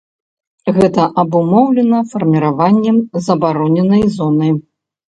Гэта абумоўлена фарміраваннем забароненай зоны.